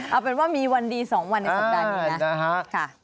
เอาเป็นว่ามีวันดี๒วันในสัปดาห์นี้นะ